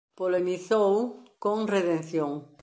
Polemizou con "Redención".